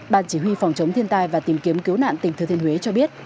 ban chỉ huy phòng chống thiên tai và tìm kiếm cứu nạn tỉnh thừa thiên huế cho biết